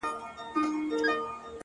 نسه د ساز او د سرود لور ده رسوا به دي کړي